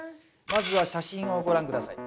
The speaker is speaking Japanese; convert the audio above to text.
まずは写真をご覧下さい。